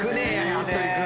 服部君。